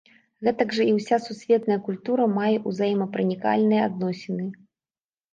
Гэтак жа і ўся сусветная культура мае ўзаемапранікальныя адносіны.